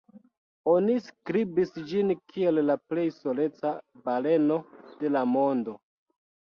Oni priskribis ĝin kiel la "plej soleca baleno de la mondo".